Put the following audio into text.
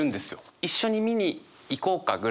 「一緒に見に行こうか？」ぐらいの感じで。